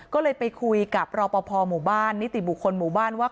ก็เลยไปคุยกับรอปภหมู่บ้านนิติบุคคลหมู่บ้านว่า